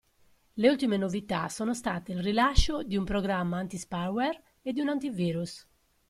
Le ultime novità sono state il rilascio di un programma antispyware e di un antivirus.